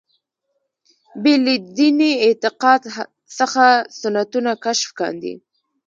بې له دیني اعتقاد څخه سنتونه کشف کاندي.